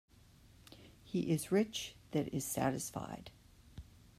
He is rich that is satisfied.